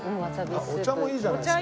お茶もいいじゃないですか。